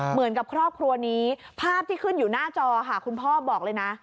เหมือนกับครอบครัวนี้ภาพที่ขึ้นอยู่หน้าจอค่ะคุณพ่อบอกเลยนะ